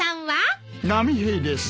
波平です。